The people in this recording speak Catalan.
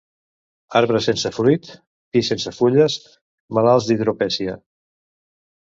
Arbre sense fruit, pi sense fulles, malalts d'hidropesia.